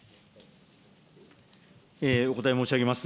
お答え申し上げます。